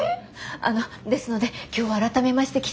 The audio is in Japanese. あのですので今日は改めましてきちんと。